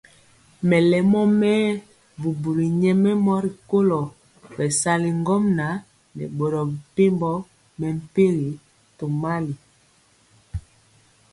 Melemɔ mɛɛ bubuli nyɛmemɔ rikolo bɛsali ŋgomnaŋ nɛ boro mepempɔ mɛmpegi tomali.